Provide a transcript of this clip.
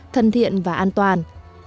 thân thiện và an toàn